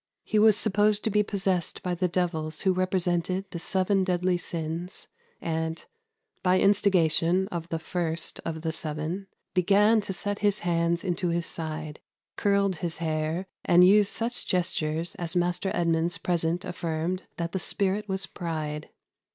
He was supposed to be possessed by the devils who represented the seven deadly sins, and "by instigation of the first of the seven, began to set his hands into his side, curled his hair, and used such gestures as Maister Edmunds present affirmed that that spirit was Pride.